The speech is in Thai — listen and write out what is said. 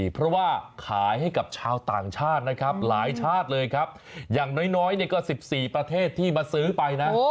๑๔ประเทศที่มาซื้อไปนะ